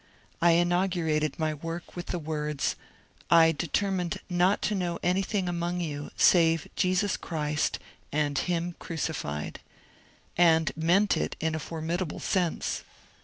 I inaugurated my work with the words, " I de termined not to know anything among you save Jesus Christ and him crucified," and meant it in a formidable sense.